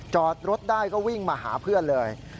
จอดรถได้ก็วิ่งมาหาเพื่อนเลย